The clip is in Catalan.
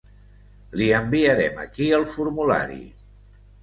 Li enviarem aquí el formulari.